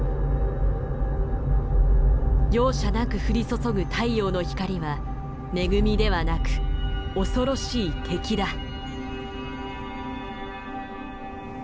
容赦なく降り注ぐ太陽の光は恵みではなく恐ろしい敵だ。